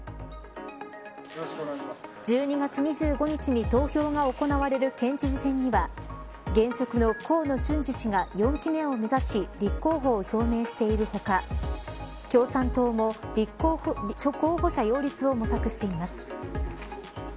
１２月２５日に投票が行われる県知事選には現職の河野俊嗣氏が４期目を目指し立候補を表明している他共産党も候補者擁立を模索しています。